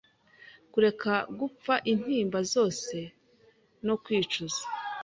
kureka gupfa intimba zose no kwicuza